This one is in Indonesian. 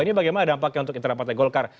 ini bagaimana dampaknya untuk internal partai golkar